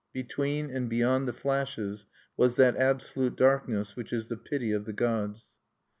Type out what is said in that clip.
Between and beyond the flashes was that absolute darkness which is the pity of the gods.